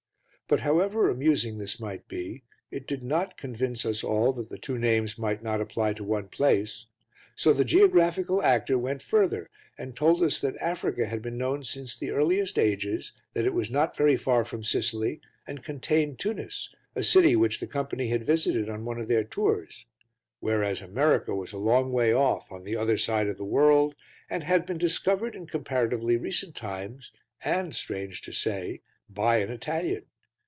But however amusing this might be, it did not convince us all that the two names might not apply to one place; so the geographical actor went further and told us that Africa had been known since the earliest ages, that it was not very far from Sicily and contained Tunis, a city which the company had visited on one of their tours, whereas America was a long way off, on the other side of the world, and had been discovered in comparatively recent times, and, strange to say, by an Italian.